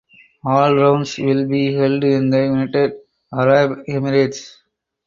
All rounds will be held in the United Arab Emirates.